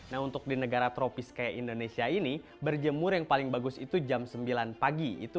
nah untuk di negara tropis kayak indonesia ini berjemur yang paling bagus itu jam sembilan pagi